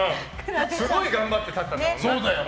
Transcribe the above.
すごい頑張って建てたんだもんな。